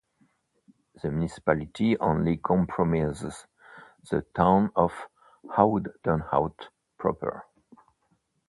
The municipality only comprises the town of Oud-Turnhout proper.